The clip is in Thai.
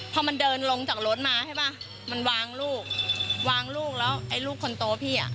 พอมันเดินลงจากรถมาใช่ป่ะมันวางลูกวางลูกแล้วไอ้ลูกคนโตพี่อ่ะ